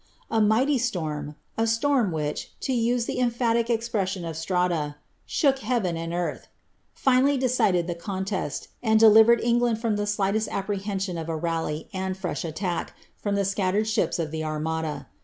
A mighty storm — a storm, which, to use the emphatic expression of Strada, "shook heaven and earth"— finally decided the eonicsi. ar.i! delivered England from the slightest apprehension of a rally, and fre^b attack, from the scattered ships of the Armada.